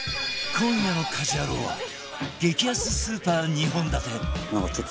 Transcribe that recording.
今夜の『家事ヤロウ！！！』は激安スーパー２本立て